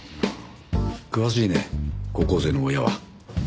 詳しいね高校生の親は。